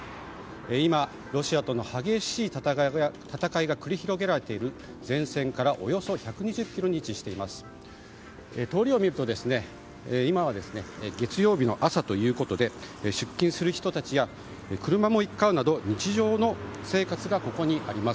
今、ロシアとの激しい戦いが繰り広げられている前線からおよそ１２０ｋｍに位置しています。